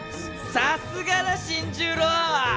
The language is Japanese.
さすがだ新十郎！